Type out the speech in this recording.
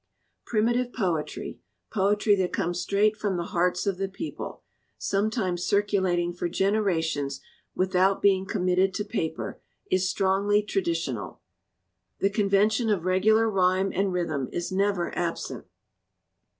"Primitive poetry, poetry that comes straight from the hearts of the people, sometimes circulat ing for generations without being committed to paper, is strongly traditional. The convention of regular rhyme and rhythm is never absent.